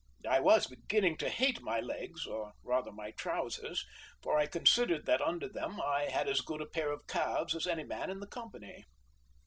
I was beginning to hate my legs, or rather my trousers, for I considered that under them I had as good a pair of calves as any man in the company.